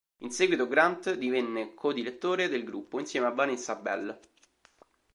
In seguito Grant divenne co-direttore del gruppo insieme a Vanessa Bell.